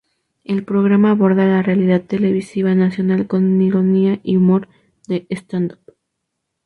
El programa aborda la realidad televisiva nacional con ironía y humor de "stand up".